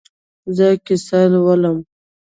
زه کیسې لولم